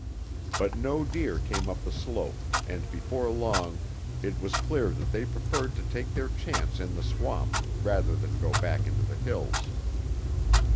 But no deer came up the slope and before long it was clear that they preferred to take their chance in the swamp rather than to go back into the hills.